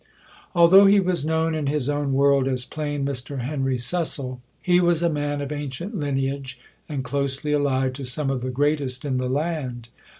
Although he was known in his own world as plain Mr Henry Cecil, he was a man of ancient lineage, and closely allied to some of the greatest in the land.